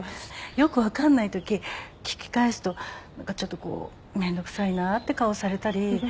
よく分かんないとき聞き返すと何かちょっとこうめんどくさいなって顔されたり。